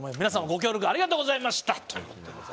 皆さん、ご協力ありがとうございました。